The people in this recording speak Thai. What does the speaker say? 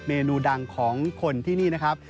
เมนูดังของคนที่นี่นะครับ